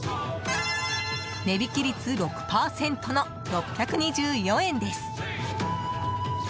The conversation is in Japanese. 値引き率６％の６２４円です。